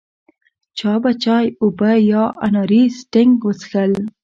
چا به چای، اوبه یا اناري سټینګ وڅښل.